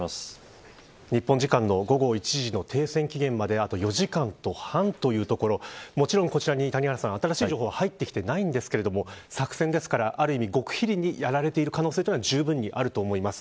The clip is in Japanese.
日本時間の午後１時の停戦期限まであと４時間半というところもちろんこちらに、新しい情報入ってきていないんですけれども作戦ですからある意味極秘にやられている可能性あると思います。